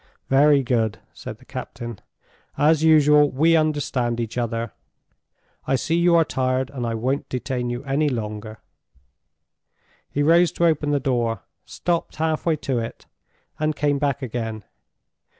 "Very good," said the captain. "As usual, we understand each other. I see you are tired; and I won't detain you any longer." He rose to open the door, stopped half way to it, and came back again.